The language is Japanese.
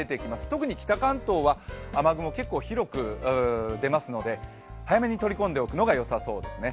特に北関東は雨雲結構広く出ますので早めに取り込んでおくのがよさそうですね。